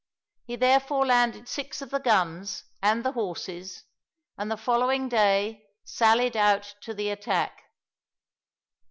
He therefore landed six of the guns and the horses, and the following day sallied out to the attack.